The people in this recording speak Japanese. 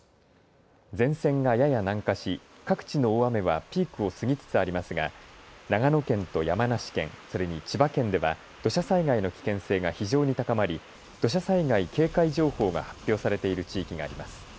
前線がやや南下し、各地の大雨はピークを過ぎつつありますが長野県と山梨県、それに千葉県では土砂災害の危険性が非常に高まり土砂災害警戒情報が発表されている地域があります。